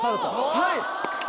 はい！